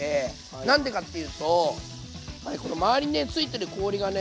何でかって言うとこの周りについてる氷がね